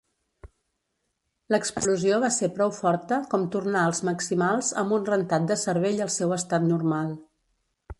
L'explosió va ser prou forta com tornar els Maximals amb un rentat de cervell al seu estat normal.